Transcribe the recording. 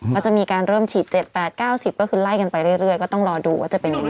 ก็จะมีการเริ่มฉีด๗๘๙๐ก็คือไล่กันไปเรื่อยก็ต้องรอดูว่าจะเป็นยังไง